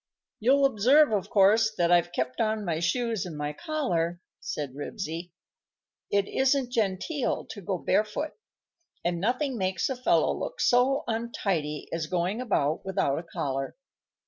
"You'll observe, of course, that I've kept on my shoes and my collar," said Ribsy. "It isn't genteel to go barefoot, and nothing makes a fellow look so untidy as going about without a collar.